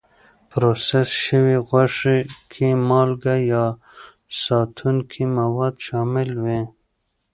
پروسس شوې غوښې کې مالکه یا ساتونکي مواد شامل وي.